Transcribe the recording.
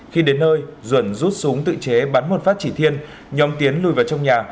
khi đến nơi duẩn rút súng tự chế bắn một phát chỉ thiên nhóm tiến lùi vào trong nhà